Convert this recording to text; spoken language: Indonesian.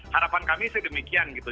harapan kami sih demikian gitu